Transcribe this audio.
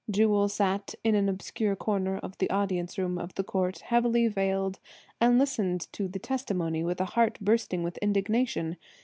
Jewel sat in an obscure corner of the audience room of the court, heavily veiled, and listened to the testimony with a heart bursting with indignation.